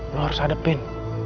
lu harus hadepin